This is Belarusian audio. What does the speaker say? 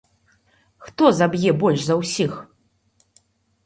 Хто заб'е больш за ўсіх?